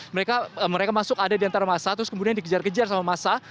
mereka masuk ada di antara masa terus kemudian dikejar kejar sama massa